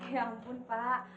ya ampun pak